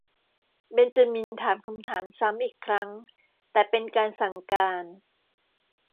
เบนจามินถามคำถามซ้ำอีกครั้ง แต่เป็นการสั่งการ